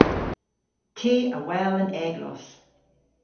Ty a wel an eglos.